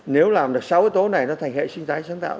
nếu làm được sáu yếu tố này nó thành hệ sinh thái sáng tạo